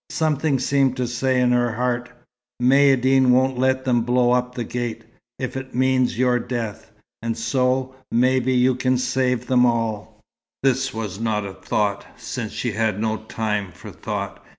Something seemed to say in her heart, "Maïeddine won't let them blow up the gate, if it means your death, and so, maybe, you can save them all." This was not a thought, since she had no time for thought.